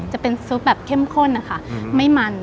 จะเป็นซุปแบบเข้มข้นนะคะไม่มัน